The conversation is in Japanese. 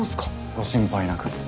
ご心配なく。